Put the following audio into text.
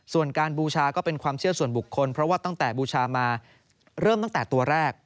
ส่วนการบูชาก็เป็นความเชื่อส่วนบุคคลเพราะว่าตั้งแต่บูชามาเริ่มตั้งแต่ตัวแรก